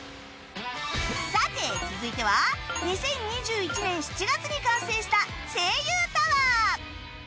さて続いては２０２１年７月に完成した声優タワー